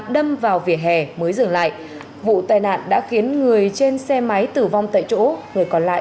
đâm vào vỉa hè mới dừng lại vụ tai nạn đã khiến người trên xe máy tử vong tại chỗ người còn lại